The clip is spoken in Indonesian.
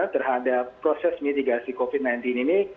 terhadap proses mitigasi covid sembilan belas ini